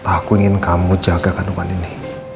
aku ingin kamu jaga kandungan ini